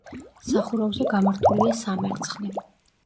სახურავზე გამართულია სამერცხლე.